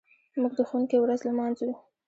موږ د ښوونکي ورځ لمانځو.